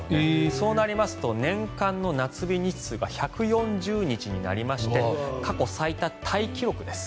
そうなりますと年間の夏日日数が１４０日になりまして過去最多タイ記録です。